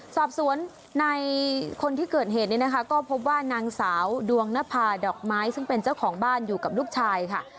สอบสวนในคนที่เกิดเหตุนี้นะคะก็พบว่านางสาวดวงนภาดอกไม้ซึ่งเป็นเจ้าของบ้านอยู่กับลูกชายค่ะ